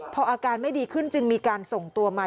พออาการไม่ดีขึ้นจึงมีการส่งตัวมา